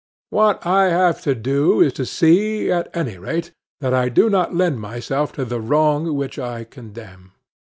What I have to do is to see, at any rate, that I do not lend myself to the wrong which I condemn.